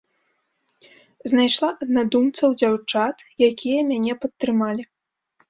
Знайшла аднадумцаў-дзяўчат, якія мяне падтрымалі.